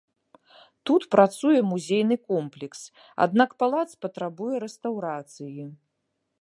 Тут працуе музейны комплекс, аднак палац патрабуе рэстаўрацыі.